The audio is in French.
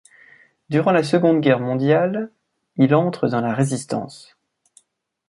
Durant la Seconde Guerre mondiale, il entre dans la Résistance.